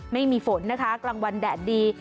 ไม่มีฝนนะคะกลางวันแดดดี